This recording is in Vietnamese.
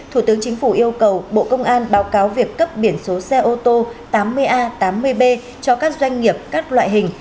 thủ tướng chính phủ yêu cầu bộ công an báo cáo việc cấp biển số xe ô tô tám mươi a tám mươi b cho các doanh nghiệp các loại hình